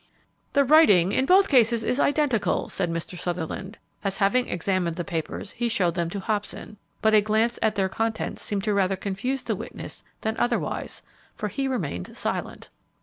"The writing in both cases is identical," said Mr. Sutherland, as, having examined the papers, he showed them to Hobson, but a glance at their contents seemed rather to confuse the witness than otherwise, for he remained silent.